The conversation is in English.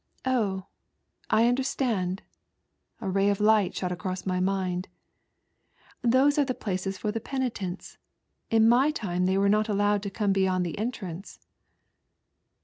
" Oh, I understand," a ray of light shooting ncroaa my mind, "those are the places for the penitents ; in my time they were not allowed to come beyond the entrance."